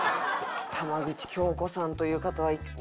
浜口京子さんという方はもう優しい。